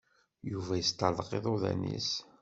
Yuba yesṭeṛḍeq iḍuḍan-is.